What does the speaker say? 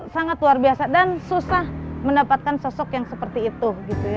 sangat luar biasa dan susah mendapatkan sosok yang seperti itu